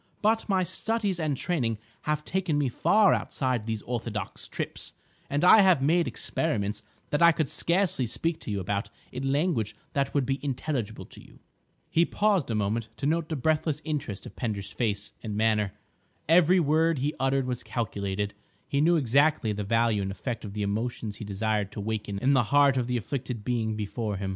But my studies and training have taken me far outside these orthodox trips, and I have made experiments that I could scarcely speak to you about in language that would be intelligible to you." He paused a moment to note the breathless interest of Pender's face and manner. Every word he uttered was calculated; he knew exactly the value and effect of the emotions he desired to waken in the heart of the afflicted being before him.